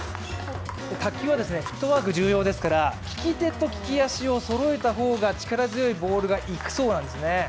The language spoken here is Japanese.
卓球はフットワーク重要ですから利き手と利き足をそろえた方が力強いボールが行くそうなんですね。